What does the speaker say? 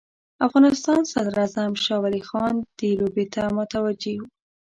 افغانستان صدراعظم شاه ولي خان دې لوبې ته متوجه وو.